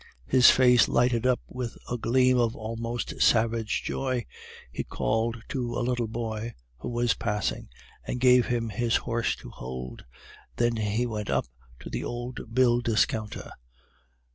His face lighted up with a gleam of almost savage joy; he called to a little boy who was passing, and gave him his horse to hold. Then we went up to the old bill discounter.